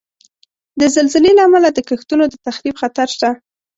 د زلزلې له امله د کښتونو د تخریب خطر شته.